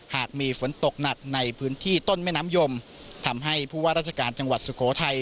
หากมีฝนตกหนักในพื้นที่ต้นแม่น้ำยมทำให้ผู้ว่าราชการจังหวัดสุโขทัย